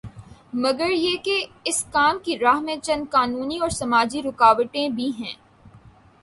پھر یہ کہ اس کام کی راہ میں چند قانونی اور سماجی رکاوٹیں بھی ہیں۔